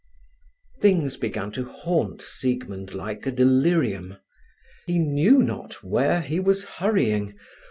Things began to haunt Siegmund like a delirium. He knew not where he was hurrying.